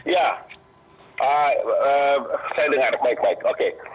ya saya dengar baik baik oke